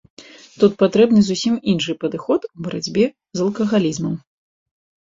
Тут патрэбны зусім іншы падыход у барацьбе з алкагалізмам.